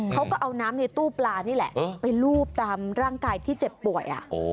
เขาก็เอาน้ำในตู้ปลานี่แหละไปลูบตามร่างกายที่เจ็บป่วย